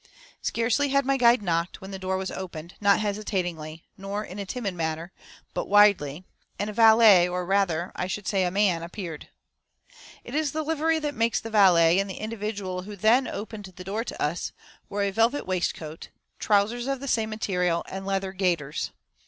Scarcely had my guide knocked, when the door was opened, not hesitatingly, nor in a timid manner, but widely, and a valet, or rather I should say a man appeared. It is the livery that makes the valet, and the individual who then opened the door to us wore a velvet waistcoat, trowsers of the same material, and leather gaiters.